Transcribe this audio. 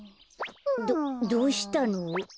どどうしたの？